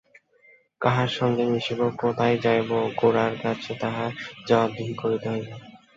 কাহার সঙ্গে মিশিব, কোথায় যাইব, গোরার কাছে তাহার জবাবদিহি করিতে হইবে!